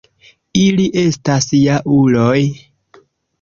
Ili estas ja-uloj